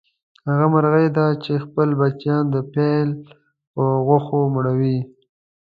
هغه مرغه دی چې خپل بچیان د پیل په غوښو مړوي.